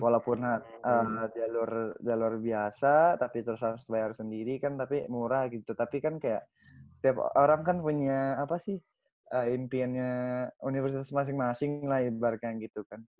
walaupun jalur biasa tapi terus harus bayar sendiri kan tapi murah gitu tapi kan kayak setiap orang kan punya apa sih impiannya universitas masing masing lah ibaratnya gitu kan